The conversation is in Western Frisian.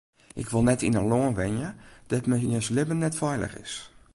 Ik wol net yn in lân wenje dêr't men jins libben net feilich is.